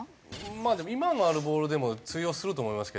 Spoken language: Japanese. まあでも今のあのボールでも通用すると思いますけども。